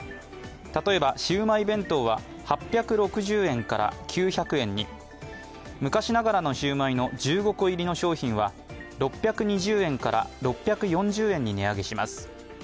例えば、シウマイ弁当は８６０円から９００円に、昔ながらのシウマイの１５個入りの商品は６２０円から６４０円に値上げします。